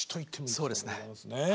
そうですね。